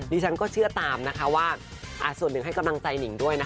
ดิฉันก็เชื่อตามส่วนหนึ่งให้กำลังใจหนิ่งด้วย